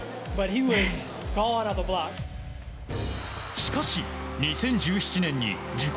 しかし、２０１７年に自己